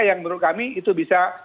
yang menurut kami itu bisa